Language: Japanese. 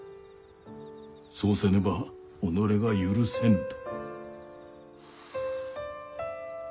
そうせねば己が許せぬ」と。